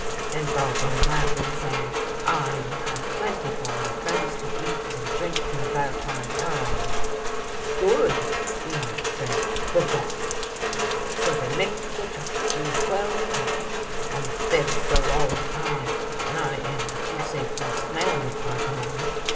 " And Bargon laugh and say :' I will have plenty for my friends to eat and drink and a ver' fine time.' "' Good !' we all sa} —' Bagosh !'" So they make the trip through twelve parish, and the fiddles go all the time, and I am what you say best man with Bargon.